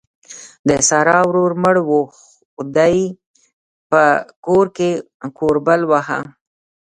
د سارا ورور مړ وو؛ دې په کور کې کوربل واهه.